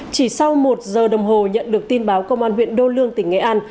chỉ sau một giờ đồng hồ nhận được tin báo công an huyện đô lương tỉnh nghệ an